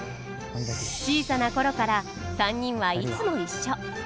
小さな頃から３人はいつも一緒。